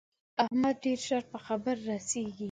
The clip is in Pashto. احمد ډېر ژر په خبره رسېږي.